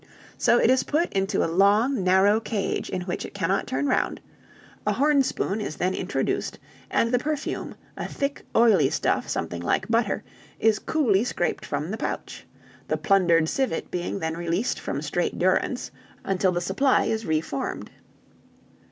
So it is put into a long, narrow cage in which it cannot turn round, a horn spoon is then introduced, and the perfume, a thick, oily stuff something like butter, is coolly scraped from the pouch, the plundered civet being then released from strait durance, until the supply is reformed."